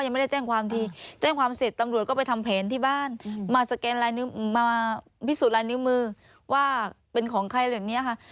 มาพิสูจน์ลายนิ้วมือว่าเป็นของใครอะไรแบบนี้ค่ะ